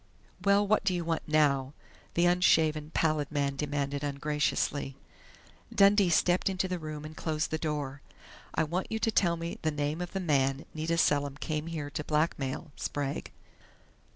"Well, what do you want now?" the unshaven, pallid man demanded ungraciously. Dundee stepped into the room and closed the door. "I want you to tell me the name of the man Nita Selim came here to blackmail, Sprague."